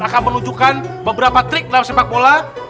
akan menunjukkan beberapa trik dalam sepak bola